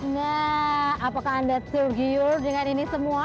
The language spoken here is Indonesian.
nah apakah anda tergiur dengan ini semua